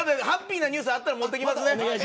ハッピーなニュースあったら持ってきますね。